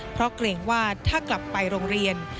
เพราะเกรงว่าถ้ากลับไปโรงเรียน